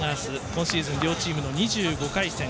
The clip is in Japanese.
今シーズン両チームの２５回戦。